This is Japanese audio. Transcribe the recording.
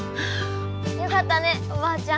よかったねおばあちゃん。